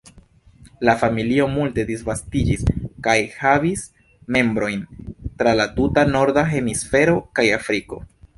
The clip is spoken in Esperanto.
La familio multe disvastiĝis kaj havis membrojn tra la tuta norda hemisfero kaj Afriko.